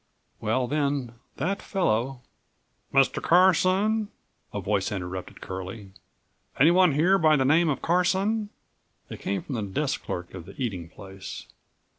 "Well, then, that fellow—" "Mr. Carson?" a voice interrupted Curlie. "Anyone here by the name of Carson?" It came from the desk clerk of the eating place.